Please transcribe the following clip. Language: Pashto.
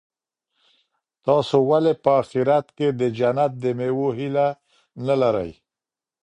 تاسي ولي په اخیرت کي د جنت د مېوو هیله نه لرئ؟